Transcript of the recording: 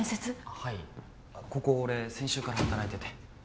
はいここ俺先週から働いてて。